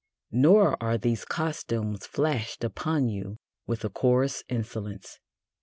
Nor are these costumes flashed upon you with a chorussed insolence.